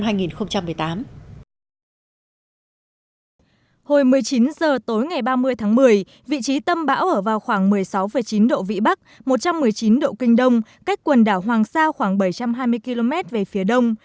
hồi một mươi chín h tối ngày ba mươi tháng một mươi vị trí tâm bão ở vào khoảng một mươi sáu chín độ vĩ bắc một trăm một mươi chín độ kinh đông cách quần đảo hoàng sa khoảng bảy trăm hai mươi km về phía đông